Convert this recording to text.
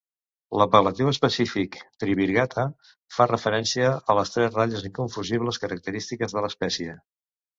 L'apel·latiu específic "trivirgata" fa referència a les tres ratlles inconfusibles característiques de l'espècie.